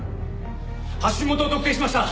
発信元を特定しました。